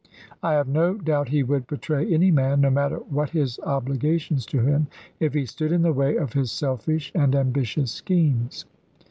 I have no doubt he would betray any man, no matter what his obligations to him, if he stood in the way of his selfish and ambitious schemes.